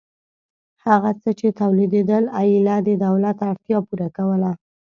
هغه څه چې تولیدېدل ایله د دولت اړتیا پوره کوله